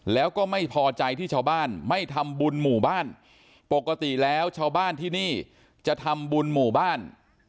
แล้วก็ไม่พอใจที่ชาวบ้านไม่ทำบุญหมู่บ้านปกติแล้วชาวบ้านที่นี่จะทำบุญหมู่บ้าน